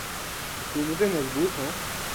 حکومتیں مضبوط ہوں۔